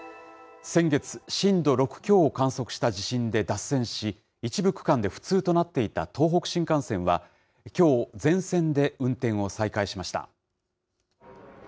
先月、震度６強を観測した地震で脱線し、一部区間で不通となっていた東北新幹線は、きょう、全線で運転を再開しました。